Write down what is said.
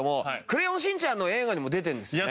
『クレヨンしんちゃん』の映画にも出てるんですよね？